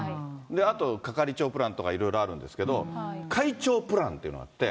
あと係長プランとか、いろいろあるんですけど、会長プランっていうのがあって。